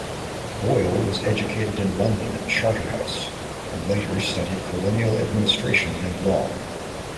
Boyle was educated in London at Charterhouse, and later studied colonial administration and law.